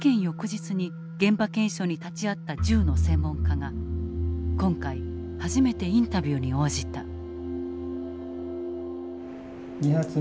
翌日に現場検証に立ち会った銃の専門家が今回初めてインタビューに応じた。